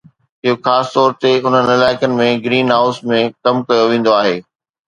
اهو خاص طور تي انهن علائقن ۾ گرين هائوس ۾ ڪيو ويندو آهي